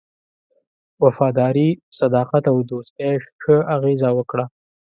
وفاداري، صداقت او دوستی ښه اغېزه وکړه.